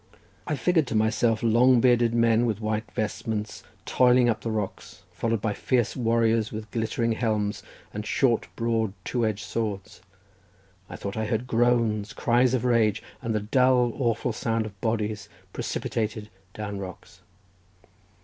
I figured to myself long bearded men with white vestments toiling up the rocks, followed by fierce warriors with glittering helms and short broad two edged swords; I thought I heard groans, cries of rage, and the dull, awful sound of bodies precipitated down rocks.